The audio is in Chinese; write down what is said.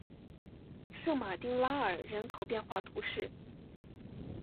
圣马丁拉尔人口变化图示